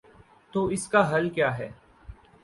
تو اس کا حل کیا ہے؟